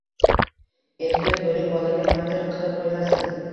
Ehtiyot bo`ling, bolaga nimadir qilib qo`ymasin